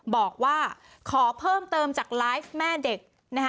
บอกว่าขอเพิ่มเติมจากไลฟ์แม่เด็กนะคะ